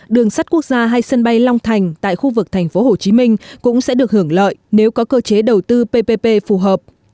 đường sắt quốc gia hay sân bay long thành tại khu vực thành phố hồ chí minh cũng sẽ được hưởng lợi nếu có cơ chế đầu tư ppp phù hợp